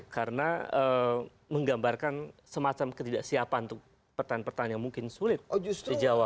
karena menggambarkan semacam ketidaksiapan untuk pertanyaan pertanyaan mungkin sulit dijawab